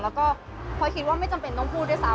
แล้วก็พลอยคิดว่าไม่จำเป็นต้องพูดด้วยซ้ำ